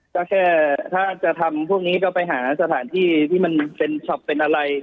ก็แค่ถ้าจะทำพวกนี้ก็ไปหาสถานที่ที่มันเป็นช็อปเป็นอะไร